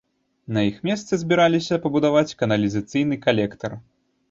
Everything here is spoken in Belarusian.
На іх месцы збіраліся пабудаваць каналізацыйны калектар.